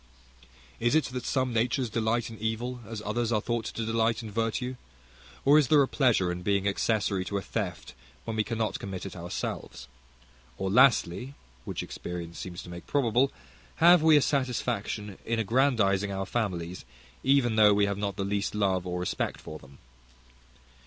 Is it that some natures delight in evil, as others are thought to delight in virtue? Or is there a pleasure in being accessory to a theft when we cannot commit it ourselves? Or lastly (which experience seems to make probable), have we a satisfaction in aggrandizing our families, even though we have not the least love or respect for them?